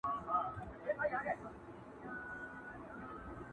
زما رباب کي د یو چا د زلفو تار دی،